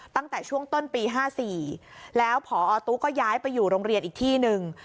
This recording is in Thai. ตั้งแต่ช่วงต้นปี๕๔แล้วพอตู้ก็ย้ายไปอยู่โรงเรียนอีกที่หนึ่ง